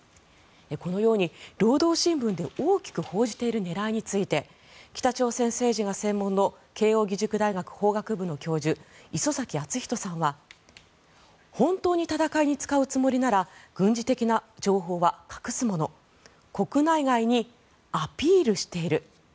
このように労働新聞で大きく報じている狙いについて北朝鮮政治が専門の慶応義塾大学法学部の教授礒崎敦仁さんは本当に戦いに使うつもりなら軍事的な情報は隠すもの国内外にアピールしている。